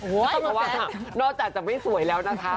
เพราะว่านอกจากจะไม่สวยแล้วนะคะ